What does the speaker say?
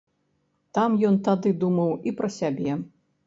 Там ён тады думаў і пра сябе.